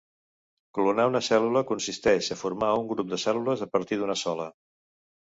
Clonar una cèl·lula consisteix a formar un grup de cèl·lules a partir d'una sola.